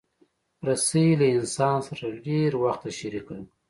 رسۍ له انسان سره له ډېر وخته شریکه ده.